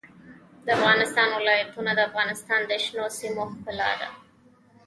د افغانستان ولايتونه د افغانستان د شنو سیمو ښکلا ده.